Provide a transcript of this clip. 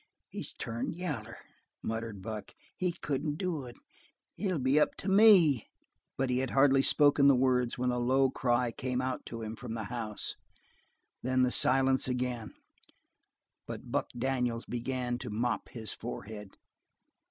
"He's turned yaller," murmured Buck. "He couldn't do it. It'll be up to me!" But he had hardly spoken the words when a low cry came out to him from the house. Then the silence again, but Buck Daniels began to mop his forehead.